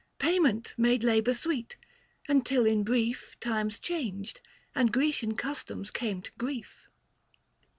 Payment made labour sweet, until in brief Times changed, and Grecian customs came to grief.